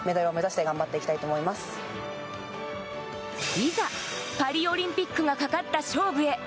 いざ、パリオリンピックがかかった勝負へ。